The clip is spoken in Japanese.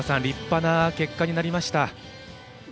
立派な結果になりました。